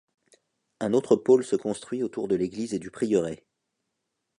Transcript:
Un autre pôle se construit autour de l'église et du prieuré.